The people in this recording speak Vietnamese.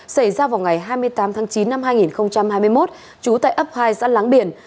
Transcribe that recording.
xảy ra vào ngày hai mươi tám tháng chín năm hai nghìn hai mươi một trú tại ấp hai xã láng biển